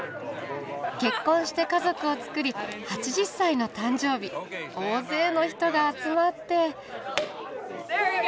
結婚して家族を作り８０歳の誕生日大勢の人が集まって。